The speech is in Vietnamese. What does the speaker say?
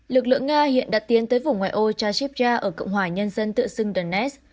lực lượng nga hiện đã tiến tới vùng ngoài ô chasipya ở cộng hòa nhân dân tựa xưng donetsk